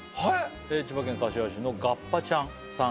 千葉県柏市のガッパちゃんさん